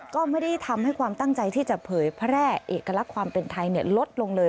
ก็ไม่ได้ทำให้ความตั้งใจที่จะเผยแพร่เอกลักษณ์ความเป็นไทยลดลงเลย